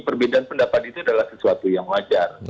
perbedaan pendapat itu adalah sesuatu yang wajar